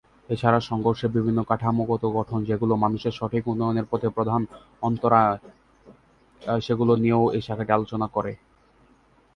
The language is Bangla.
এছাড়া সংঘর্ষের বিভিন্ন কাঠামোগত গঠন, যেগুলো মানুষের সঠিক উন্নয়নের পথে প্রধান অন্তরায়, সেগুলো নিয়েও এ শাখাটি আলোচনা করে।